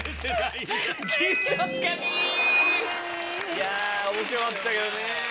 いや面白かったけどね。